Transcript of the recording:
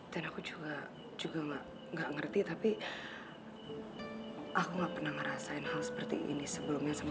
dan aku juga juga enggak ngerti tapi aku enggak pernah ngerasain hal seperti ini sebelumnya sama